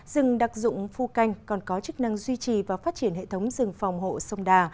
rừng đặc dụng phu canh còn có chức năng duy trì và phát triển hệ thống rừng phòng hộ sông đà